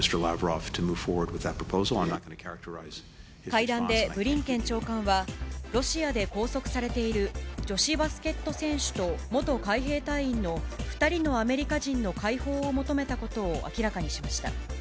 会談でブリンケン長官は、ロシアで拘束されている女子バスケット選手と元海兵隊員の２人のアメリカ人の解放を求めたことを明らかにしました。